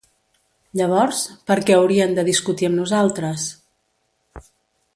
Llavors, per què haurien de discutir amb nosaltres?